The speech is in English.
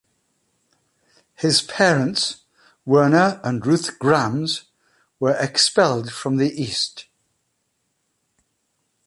His parents, Werner and Ruth Grams, were expelled from the east.